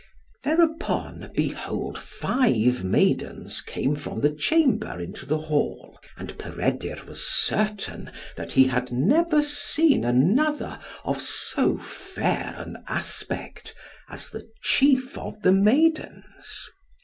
Thereupon, behold five maidens came from the chamber into the hall. And Peredur was certain that he had never seen another of so fair an aspect as the chief of the maidens.